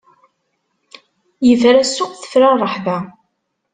Yefra ssuq tefra ṛṛeḥba!